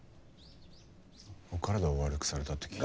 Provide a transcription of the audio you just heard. お体を悪くされたって聞き。